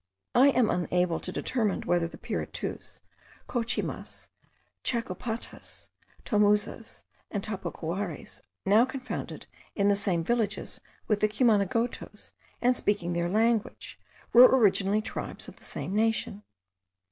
I am unable to determine whether the Piritus, Cocheymas, Chacopatas, Tomuzas, and Topocuares, now confounded in the same villages with the Cumanagotos, and speaking their language, were originally tribes of the same nation.